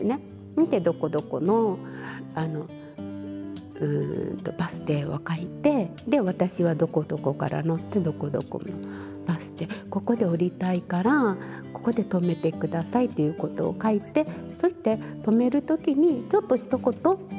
見てどこどこのバス停を書いてで私はどこどこから乗ってどこどこのバス停ここで降りたいからここで止めて下さいっていうことを書いてそして止める時にちょっとひと言